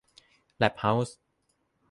แล็บเฮ้าส์